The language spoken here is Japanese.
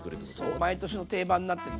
毎年の定番になってて。